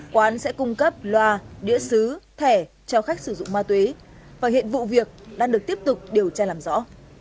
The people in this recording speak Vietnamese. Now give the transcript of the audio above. quán sẽ cung cấp loa đĩa xứ thẻ cho khách sử dụng ma túy và hiện vụ việc đang được tiếp tục điều tra làm rõ